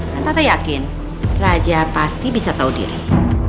santa yakin raja pasti bisa tahu diri